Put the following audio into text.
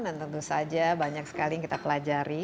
dan tentu saja banyak sekali yang kita pelajari